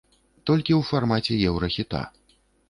Толькі ў фармаце еўрахіта.